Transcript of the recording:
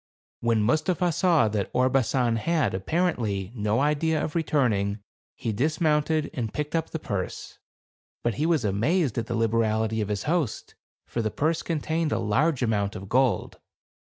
When Mustapha saw that Orbasan had, appar ently, no idea of returning, he dismounted, and picked up the purse ; but he was amazed at the liberality of his host ; for the purse contained a large amount of gold.